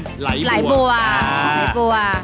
แส่ลายบัว